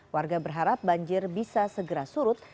warga berharap banjir bisa segera surut